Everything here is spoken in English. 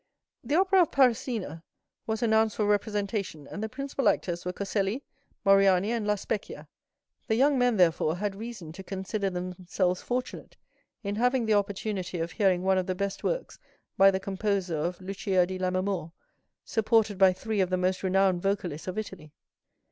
The opera of Parisina was announced for representation, and the principal actors were Coselli, Moriani, and La Specchia. The young men, therefore, had reason to consider themselves fortunate in having the opportunity of hearing one of the best works by the composer of Lucia di Lammermoor, supported by three of the most renowned vocalists of Italy.